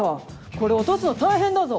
これ落とすの大変だぞ。